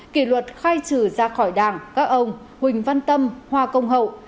kỷ luật khai trừ ra khỏi đảng các ông huỳnh văn tâm hoa công hậu